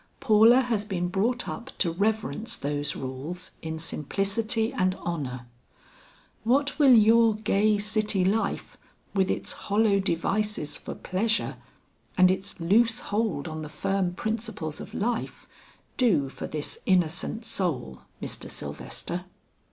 Paula has been brought up to reverence those rules in simplicity and honor; what will your gay city life with its hollow devices for pleasure and its loose hold on the firm principles of life, do for this innocent soul, Mr. Sylvester?"